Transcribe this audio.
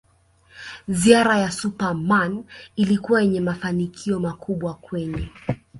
Ziara ya Super Man ilikuwa yenye mafanikio makubwa kwenye